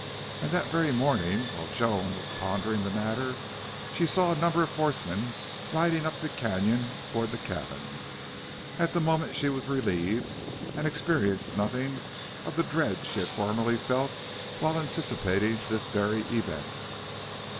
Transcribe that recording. And that very morning while Joan was pondering the matter she saw a number of horsemen riding up the canon toward the cabin. At the moment she was relieved, and experienced nothing of the dread she had formerly felt while anticipating this very event.